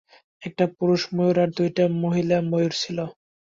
একটা পুরুষ ময়ূর আর দুইটি মহিলা ময়ূর ছিল।